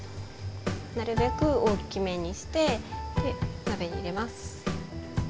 なるべく大きめにして鍋に入れます。